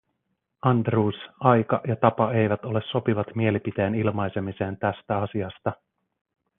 Andrews, aika ja tapa eivät ole sopivat mielipiteen ilmaisemiseen tästä asiasta.